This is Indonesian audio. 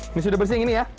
ini sudah bersih yang ini ya